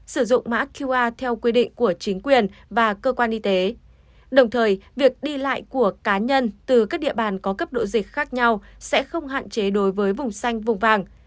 sử dụng mã qr theo quy định của chính quyền và cơ quan y tế đồng thời việc đi lại của cá nhân từ các địa bàn có cấp độ dịch khác nhau sẽ không hạn chế đối với vùng xanh vùng vàng